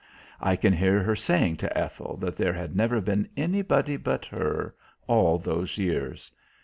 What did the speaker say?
I can hear her saying to Ethel that there had never been anybody but her, all those years.